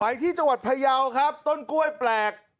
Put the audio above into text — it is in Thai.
ที่จังหวัดพยาวครับต้นกล้วยแปลก